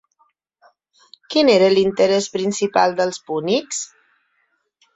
Quin era l'interès principal dels púnics?